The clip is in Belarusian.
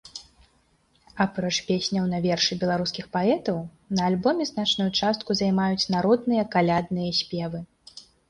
Апроч песняў на вершы беларускіх паэтаў на альбоме значную частку займаюць народныя калядныя спевы.